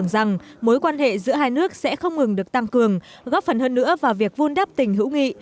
đảng nhà nước sẽ không ngừng được tăng cường góp phần hơn nữa vào việc vun đắp tình hữu nghị